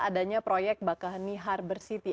adanya proyek baka henni harbour city